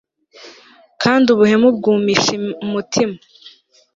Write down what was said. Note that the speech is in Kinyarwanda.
kandi ubuhemu bwumisha umutima